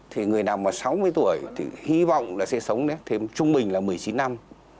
thì người nằm vào sáu mươi tuổi thì hy vọng sẽ sống thêm trung bình là một mươi chín năm